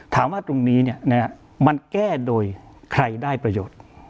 ถามว่าตรงนี้มันแก้โดยใครได้ประโยชน์